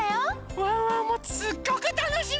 ワンワンもすっごくたのしみにしてました。